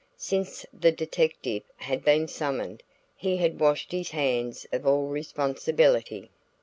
Since the detective had been summoned, he had washed his hands of all responsibility.